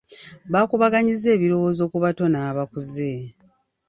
Bakubaganyizza ebirowoozo ku bato n'abakuze.